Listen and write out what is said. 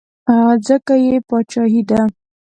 ځکه یې باچایي ده.